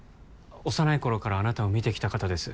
幼い頃からあなたを見てきた方です